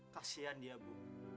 kasian dia bu